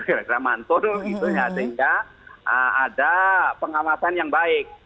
kira kira mantul gitu ya sehingga ada pengawasan yang baik